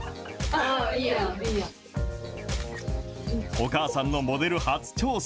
お母さんのモデル初挑戦。